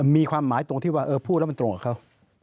มีความหมายตรงที่ว่าพูดแล้วมันตรงกับเขา